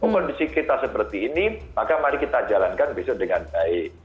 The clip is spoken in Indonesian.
kalau kondisi kita seperti ini maka mari kita jalankan besok dengan baik